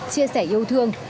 chia sẻ yêu thương